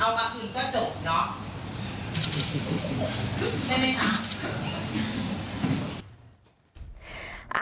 เอามาคุณก็จบเนาะ